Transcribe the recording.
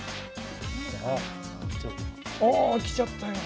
ああきちゃったよ。